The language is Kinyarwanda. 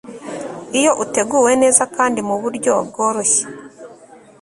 iyo uteguwe neza kandi mu buryo bworoshye